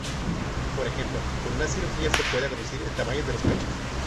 Por ejemplo, con una cirugía se puede reducir el tamaño de los pechos.